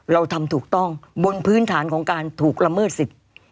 เราทำถูกต้องบนพื้นฐานของการถูกละเมิดสิทธิ์